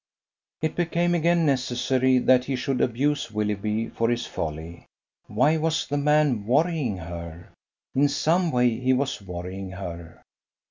It became again necessary that he should abuse Willoughby for his folly. Why was the man worrying her? In some way he was worrying her.